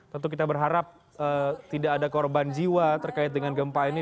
tentu kita berharap tidak ada korban jiwa terkait dengan gempa ini